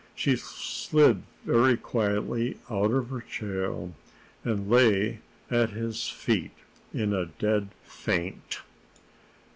She slid very quietly out of her chair, and lay at his feet in a dead faint.